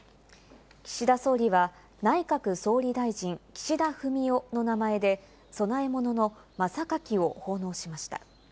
岸田総理は「内閣総理大臣・岸田文雄」の名前で供え物の真榊を奉納しました。